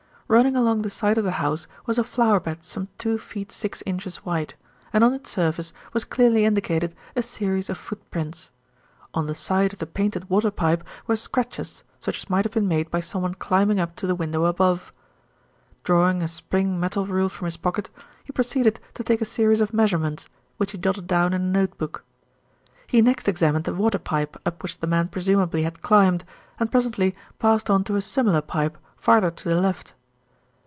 Running along the side of the house was a flowerbed some two feet six inches wide, and on its surface was clearly indicated a series of footprints. On the side of the painted water pipe were scratches such as might have been made by someone climbing up to the window above. Drawing a spring metal rule from his pocket, he proceeded to take a series of measurements, which he jotted down in a notebook. He next examined the water pipe up which the man presumably had climbed, and presently passed on to a similar pipe farther to the left.